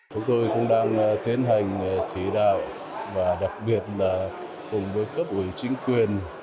chúng tôi cũng đang tiến hành chỉ đạo và đặc biệt là cùng với cấp ủy chính quyền